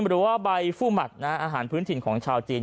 หรือว่าใบฟู้หมักอาหารพื้นถิ่นของชาวจีน